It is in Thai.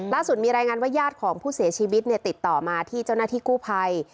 ล่าสุดมีรายงานว่าญาติของผู้เสียชีวิตติดต่อมาที่เจ้าหน้าที่กู้ภัย